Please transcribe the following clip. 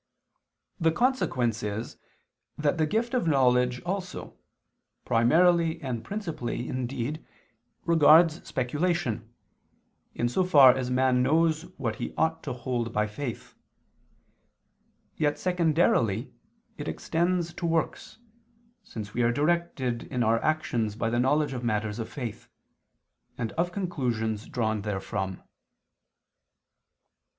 The consequence is that the gift of knowledge also, primarily and principally indeed, regards speculation, in so far as man knows what he ought to hold by faith; yet, secondarily, it extends to works, since we are directed in our actions by the knowledge of matters of faith, and of conclusions drawn therefrom.